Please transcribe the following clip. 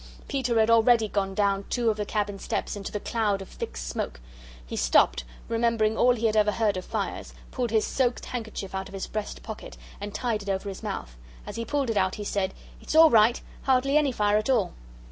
Peter had already gone down two of the cabin steps into the cloud of thick smoke. He stopped, remembered all he had ever heard of fires, pulled his soaked handkerchief out of his breast pocket and tied it over his mouth. As he pulled it out he said: "It's all right, hardly any fire at all."